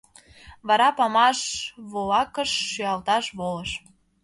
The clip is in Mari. Вара памаш волакыш шӱалташ волыш.